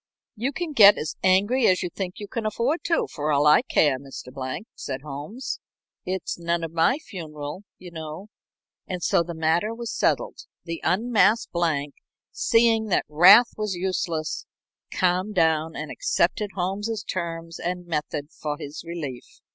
"You can get as angry as you think you can afford to, for all I care, Mr. Blank," said Holmes. "It's none of my funeral, you know." And so the matter was settled. The unmasked Blank, seeing that wrath was useless, calmed down and accepted Holmes's terms and method for his relief.